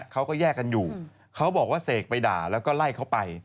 เขาก็แยกกันอยู่เขาบอกว่าเสกไปด่าแล้วก็ไล่เขาไป